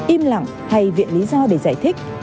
im lặng hay viện lý do để giải thích